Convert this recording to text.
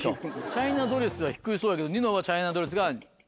チャイナドレスが低そうやけどニノはチャイナドレスが２位。